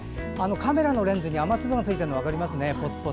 カメラのレンズに雨粒がついているのが分かります。